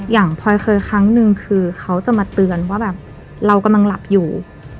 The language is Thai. พลอยเคยครั้งหนึ่งคือเขาจะมาเตือนว่าแบบเรากำลังหลับอยู่